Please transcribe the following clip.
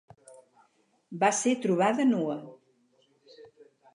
Va ser trobada nua.